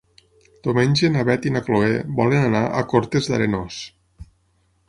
Diumenge na Beth i na Chloé volen anar a Cortes d'Arenós.